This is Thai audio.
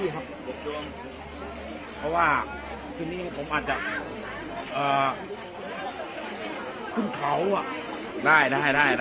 เพราะว่าทีนี้ผมอาจจะขึ้นเขาได้นะ